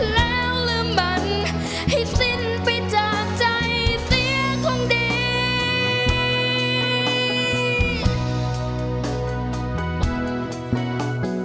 และลืมมันให้สิ้นไปจากใจเสียคงดีกว่าที่มันกว้างใหญ่